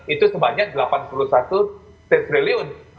itu sebanyak delapan puluh satu triliun